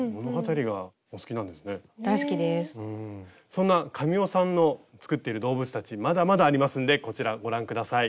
そんな神尾さんの作っている動物たちまだまだありますんでこちらご覧下さい。